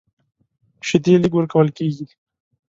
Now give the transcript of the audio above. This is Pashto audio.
شیدې لږ ورکول کېږي.